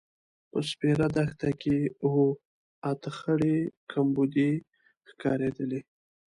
په سپېره دښته کې اوه – اته خړې کومبدې ښکارېدلې.